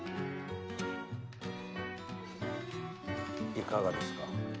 いかがですか？